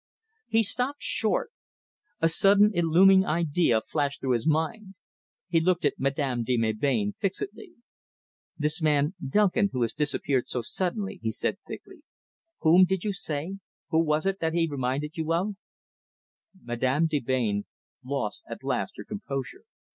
He stopped short. A sudden illumining idea flashed through his mind. He looked at Madame de Melbain fixedly. "This man Duncan who has disappeared so suddenly," he said thickly. "Whom did you say who was it that he reminded you of?" Madame de Melbain lost at last her composure.